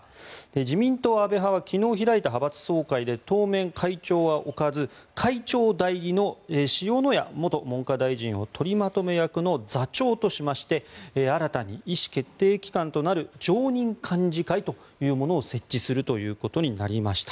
自民党安倍派は昨日開いた総会で当面、会長は置かず会長代理の塩谷元文科大臣を取りまとめ役の座長としまして新たに意思決定機関となる常任幹事会というものを設置するということになりました。